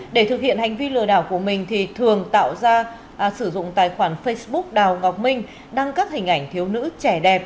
để thực hiện hành vi lừa đảo của mình thì thường tạo ra sử dụng tài khoản facebook đào ngọc minh đăng các hình ảnh thiếu nữ trẻ đẹp